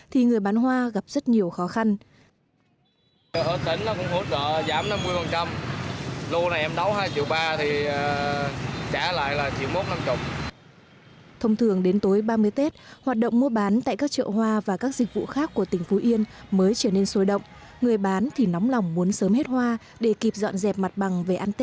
thì người bán hoa gặp rất nhiều khó khăn